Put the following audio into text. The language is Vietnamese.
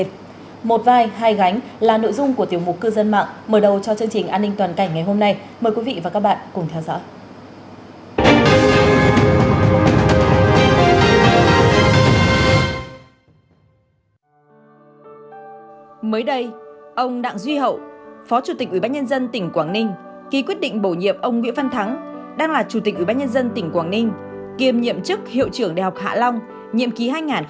chủ tịch ủy ban nhân dân tỉnh quảng ninh kiêm nhiệm chức hiệu trưởng đại học hạ long nhiệm ký hai nghìn hai mươi hai nghìn hai mươi năm